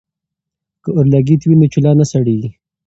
که اورلګیت وي نو چولہ نه سړیږي.